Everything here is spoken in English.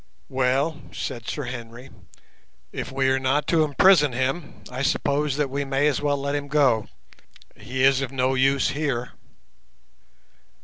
"Well," said Sir Henry, "if we are not to imprison him, I suppose that we may as well let him go. He is of no use here."